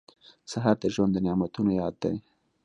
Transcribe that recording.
سهار د ژوند د نعمتونو یاد دی.